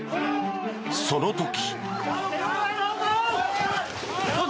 その時。